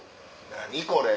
何これ。